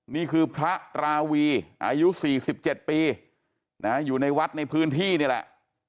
นี่คือพระตราวีอายุสี่สิบเจ็ดปีนะฮะอยู่ในวัดในพื้นที่นี่แหละ